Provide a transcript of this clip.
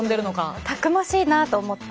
たくましいなと思って。